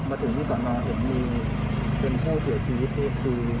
มาถึงที่สมศนีย์เป็นโทษเสียชีวิต